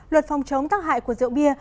luật phòng chống tắc hại của rượu bia